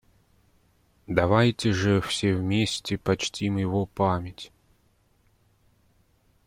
Давайте же все вместе почтим его память!